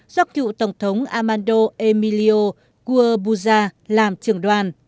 do cựu tổng thống armando emilio gurbuzza làm trưởng đoàn